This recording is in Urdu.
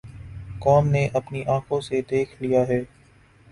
قوم نے اپنی آنکھوں سے دیکھ لیا ہے۔